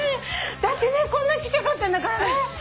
だってねこんなちっちゃかったんだからね。